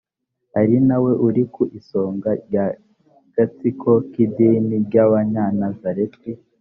ari na we uri ku isonga ry agatsiko k idini ry abanyanazareti